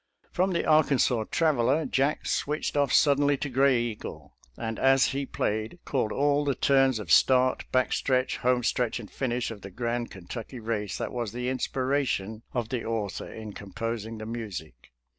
From the " Arkansas Traveler " Jack switched off suddenly to " Gray Eagle," and as he played, called all the turns of start, backstretch, home stretch and finish of the grand Kentucky race that was the inspiration of the author in com posing the music.